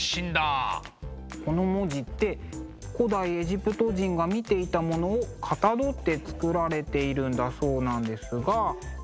この文字って古代エジプト人が見ていたものをかたどって作られているんだそうなんですが。